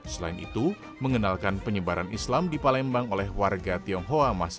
selain itu mengenalkan penyebaran islam di palembang oleh masyarakat